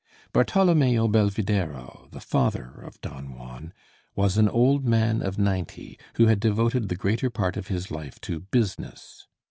Bartholomeo Belvidéro, the father of Don Juan, was an old man of ninety, who had devoted the greater part of his life to business.